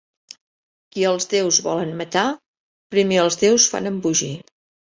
Qui els déus volen matar, primer els déus fan embogir.